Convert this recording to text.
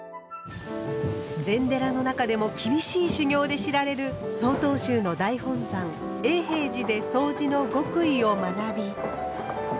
禅寺の中でも厳しい修行で知られる曹洞宗の大本山永平寺でそうじの極意を学び